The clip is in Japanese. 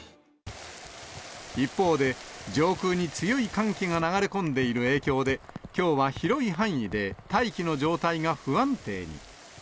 一方で、上空に強い寒気が流れ込んでいる影響で、きょうは広い範囲で大気の状態が不安定に。